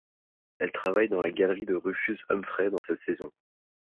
Elle travaille dans la galerie de Rufus Humphrey dans cette saison.